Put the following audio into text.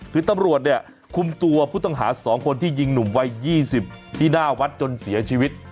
คือตำรวจเนี่ยคุมตัวผู้ต้องหา๒คนที่ยิงหนุ่มวัย๒๐ที่หน้าวัดจนเสียชีวิต